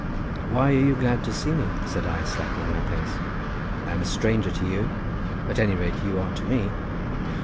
"Why are you glad to see me?" said I, slackening my pace; "I am a stranger to you; at any rate, you are to me."